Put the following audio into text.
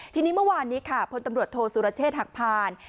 ทีนี้เมื่อวานนี้ค่ะพลตำรวจโทษสุรเชษฐหักพาน